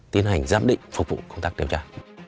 tiến hành giám định phục vụ công tác điều tra